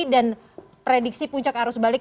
dan prediksi puncak arus lebaran